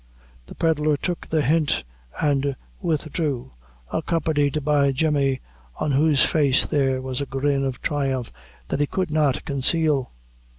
The pedlar took the hint and withdrew, accompanied by Jemmy, on whose face there was a grin of triumph that he could not conceal.